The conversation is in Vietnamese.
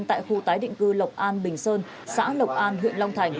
tại khu tái định cư lộc an bình sơn xã lộc an huyện long thành